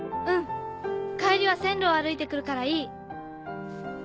うん帰りは線路を歩いて来るからいい。